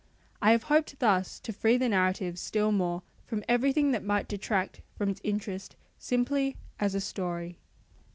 I have hoped thus to free the narrative still more from everything that might detract from its interest simply as a story.